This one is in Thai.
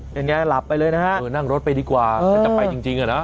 อย่างงี้หลับไปเลยนะฮะเออนั่งรถไปดีกว่าจะไปจริงอ่ะนะ